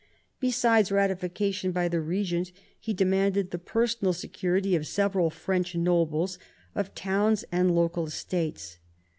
Besides ratification by the regent he demanded the personal security of several French nobles, of towns and local estates.